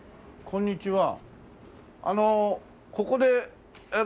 こんにちは。